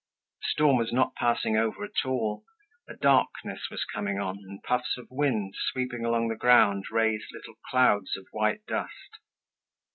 The storm was not passing over at all; a darkness was coming on and puffs of wind, sweeping along the ground, raised little clouds of white dust.